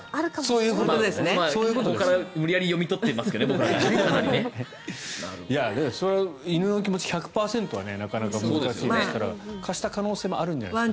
ここから無理やり読み取ってますけどね、僕らは。それは犬の気持ち１００％はなかなか難しいでしょうから貸した可能性もあるんじゃないですか。